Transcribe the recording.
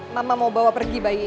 mama mau bawa pergi bayi